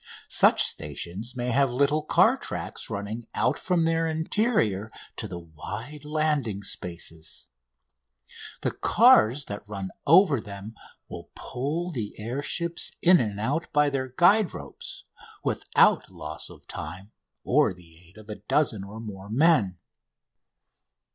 Such stations may have little car tracks running out from their interior to the wide landing spaces. The cars that run over them will pull the air ships in and out by their guide ropes, without loss of time or the aid of a dozen or more men.